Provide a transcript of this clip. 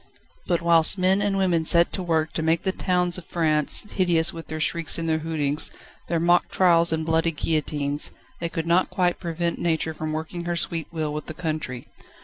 But whilst men and women set to work to make the towns of France hideous with their shrieks and their hootings, their mock trials and bloody guillotines, they could not quite prevent Nature from working her sweet will with the country.